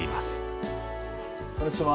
こんにちは。